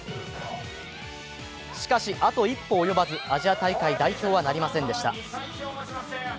しかし、あと一歩及ばずアジア大会出場はなりませんでした。